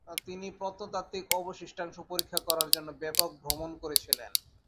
তিনি প্রত্নতাত্ত্বিক অবশিষ্টাংশ পরীক্ষা করার জন্য ব্যাপক ভ্রমণ করেছিলেন।